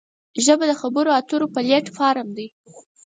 ژبه د خبرو اترو پلیټ فارم دی